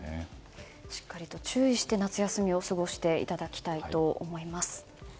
しっかりと注意して夏休みを過ごしていただきたいと思います。